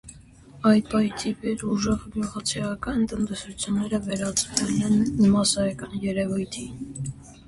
Այդ պահից ի վեր ուժեղ գյուղացիական տնտեսությունները վերածվել են մասսայական երևույթի։